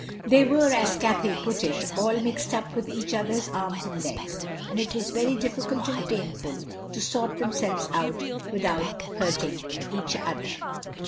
They were, as Cathay put it, "all mixed up with each other's arms and legs," and it was very difficult and painful to sort themselves out without hurting each other.